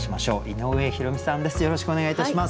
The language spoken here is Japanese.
井上弘美さんです。